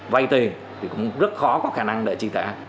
vay tiền thì cũng rất khó có khả năng để trị tả